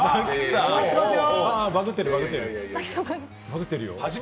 バグってる。